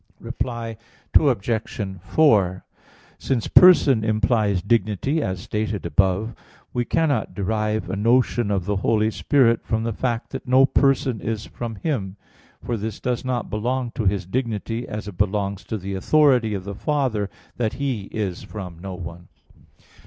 Reply Obj. 4: Since Person implies dignity, as stated above (Q. 19, A. 3), we cannot derive a notion of the Holy Spirit from the fact that no person is from Him. For this does not belong to His dignity, as it belongs to the authority of the Father that He is from no one.